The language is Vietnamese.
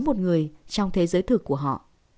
một người trong thế giới thực của họ